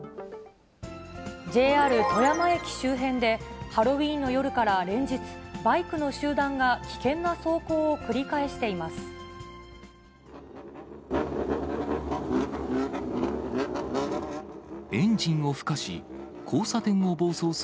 ＪＲ富山駅周辺で、ハロウィーンの夜から連日、バイクの集団が危険な走行を繰り返しています。